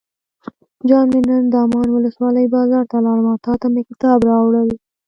جان مې نن دامن ولسوالۍ بازار ته لاړم او تاته مې کتاب راوړل.